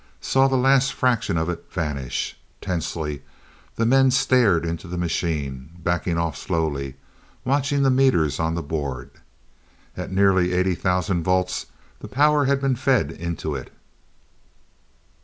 saw the last fraction of it vanish. Tensely the men stared into the machine backing off slowly watching the meters on the board. At nearly eighty thousand volts the power had been fed into it.